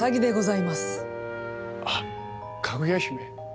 あっかぐや姫？